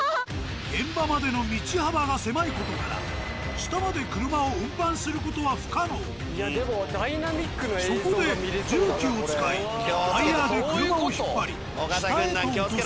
現場までの道幅が狭い事からそこで重機を使いワイヤーで車を引っ張り下へと落とす。